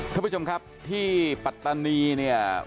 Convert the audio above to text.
ท่านผู้ชมครับที่ปัตตานีเนี่ย